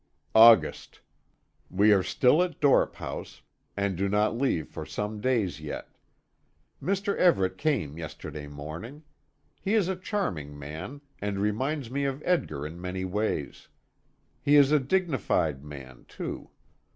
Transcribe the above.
August. We are still at Dorp House, and do not leave for some days yet. Mr. Everet came yesterday morning. He is a charming man, and reminds me of Edgar in many ways. He is a dignified man, too.